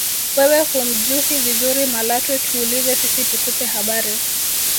wewe humjuhi vizuri malatwe tuulize sisi tukupe habari